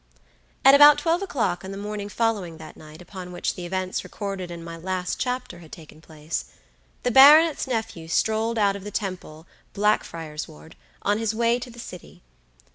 At about twelve o'clock on the morning following that night upon which the events recorded in my last chapter had taken place, the baronet's nephew strolled out of the Temple, Blackfriarsward, on his way to the city.